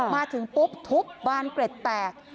มาถึงปุ๊บทุบบานเกร็ดแตก